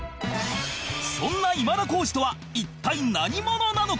そんな今田耕司とは一体何者なのか？